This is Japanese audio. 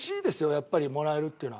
やっぱりもらえるっていうのは。